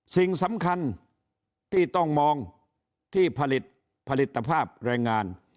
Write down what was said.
สิ่งสำคัญที่ต้องมองที่ผลิตภาพแรงงาน